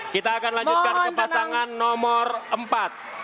kita akan lanjutkan ke pasangan nomor empat